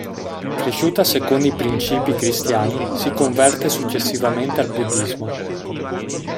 Cresciuta secondo i princìpi cristiani, si converte successivamente al buddismo.